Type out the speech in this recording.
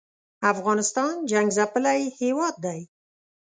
افغانستان جنګ څپلی هېواد دی